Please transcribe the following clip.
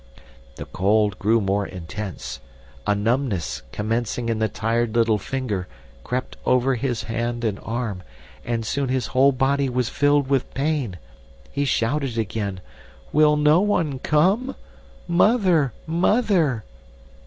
The cold grew more intense, a numbness, commencing in the tired little finger, crept over his hand and arm, and soon his whole body was filled with pain. He shouted again, 'Will no one come? Mother! Mother!